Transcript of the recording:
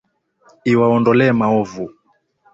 Iwaondolee maovu.